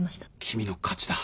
君の勝ちだ。